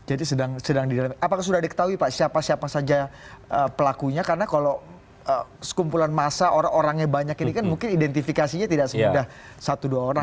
apakah sudah diketahui pak siapa siapa saja pelakunya karena kalau sekumpulan massa orang orangnya banyak ini kan mungkin identifikasinya tidak semudah satu dua orang